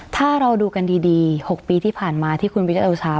ถ้าเราดูกันดี๖ปีที่ผ่านมาที่คุณประยุทธ์โอชา